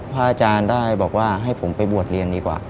พระอาจารย์ได้บอกว่าให้ผมไปบวชเรียนดีกว่า